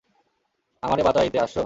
আমারে বাঁচাইতে আসছো!